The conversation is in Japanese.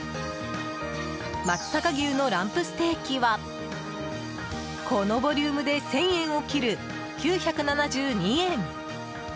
松阪牛のランプステーキはこのボリュームで１０００円を切る９７２円。